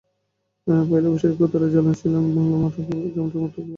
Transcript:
পয়লা বৈশাখে কোতারায়া জালান সিলাং বাংলা মার্কেট এলাকায় জমজমাট থাকবে বাঙালিদের পদচারণায়।